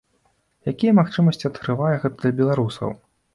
Якія магчымасці адкрывае гэта для беларусаў?